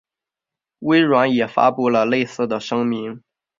微软也发布了类似的声明。